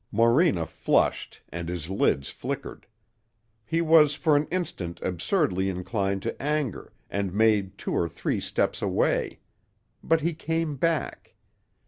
Morena flushed and his lids flickered. He was for an instant absurdly inclined to anger and made two or three steps away. But he came back.